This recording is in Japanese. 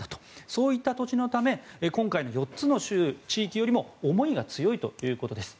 そういった土地のため今回の４つの地域よりも思いが強いということです。